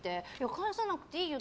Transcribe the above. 返さなくていいよ